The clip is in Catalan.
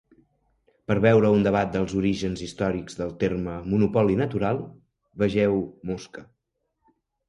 Per veure un debat dels orígens històrics del terme "monopoli natural", vegeu Mosca.